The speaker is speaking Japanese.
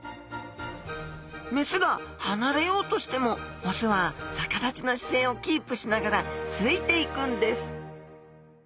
雌が離れようとしても雄は逆立ちの姿勢をキープしながらついていくんです。